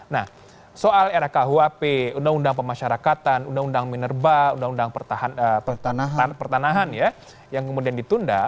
nah soal rkuhp undang undang pemasyarakatan undang undang minerba undang undang pertanahan ya yang kemudian ditunda